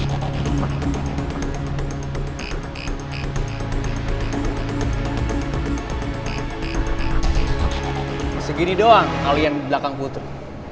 masih gini doang kalian belakang putri